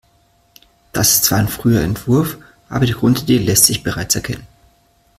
Das ist zwar ein früher Entwurf, aber die Grundidee lässt sich bereits erkennen.